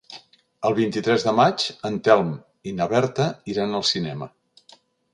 El vint-i-tres de maig en Telm i na Berta iran al cinema.